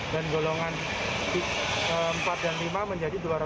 dan golongan empat dan lima menjadi rp dua ratus empat puluh enam